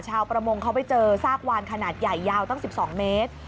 ประมงเขาไปเจอซากวานขนาดใหญ่ยาวตั้ง๑๒เมตร